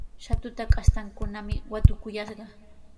Shatuta kastankunami watukayashqa.